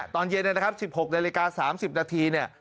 ตอนเย็น๑๖นาฬิกา๓๐นาที